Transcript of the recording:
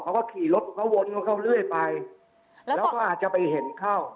เขาก็ขี่รถเขาวนเขาเข้าเรื่อยไปแล้วก็อาจจะไปเห็นเข้า